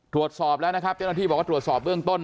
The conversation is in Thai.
ตรวจสอบแล้วนะครับเจ้าหน้าที่บอกว่าตรวจสอบเบื้องต้น